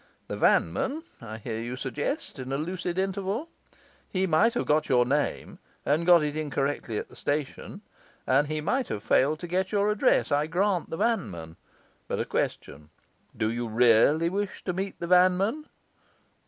The vanman, I hear you suggest, in a lucid interval. He might have got your name, and got it incorrectly, at the station; and he might have failed to get your address. I grant the vanman. But a question: Do you really wish to meet the vanman?